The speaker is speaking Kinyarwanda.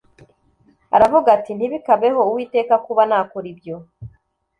aravuga ati “ntibikabeho uwiteka kuba nakora ibyo